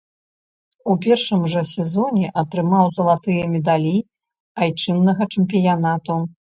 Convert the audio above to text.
У першым жа сезоне атрымаў залатыя медалі айчыннага чэмпіянату.